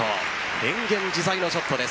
変幻自在のショットです。